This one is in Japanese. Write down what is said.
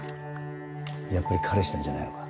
やっぱり彼氏なんじゃないのか？